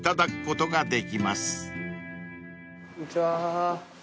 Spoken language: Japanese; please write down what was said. こんにちは。